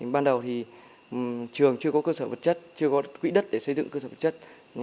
ban đầu thì trường chưa có cơ sở vật chất chưa có quỹ đất để xây dựng cơ sở vật chất